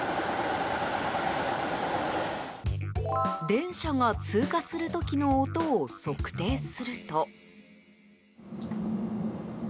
電車が通過する時の音を測定すると。